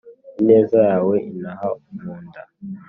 ineza yawe intaha mu nda